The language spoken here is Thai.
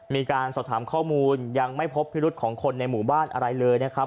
มีการสอบถามข้อมูลยังไม่พบพิรุษของคนในหมู่บ้านอะไรเลยนะครับ